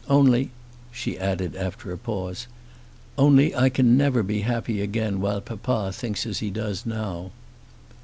Only" she added after a pause "only I can never be happy again while papa thinks as he does now."